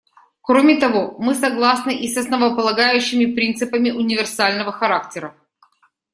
Кроме того, мы согласны и с основополагающими принципами универсального характера.